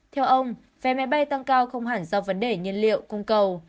theo ông vé máy bay tăng cao không hẳn do vấn đề nhiên liệu cung cầu